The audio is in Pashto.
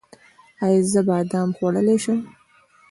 ایا زه بادام خوړلی شم؟